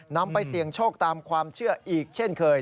นำไปเสี่ยงโชคตามความเชื่ออีกเช่นเคย